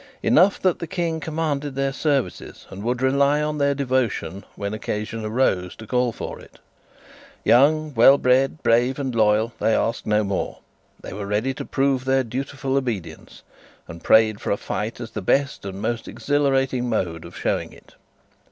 Enough that the King commanded their services, and would rely on their devotion when occasion arose to call for it. Young, well bred, brave, and loyal, they asked no more: they were ready to prove their dutiful obedience, and prayed for a fight as the best and most exhilarating mode of showing it.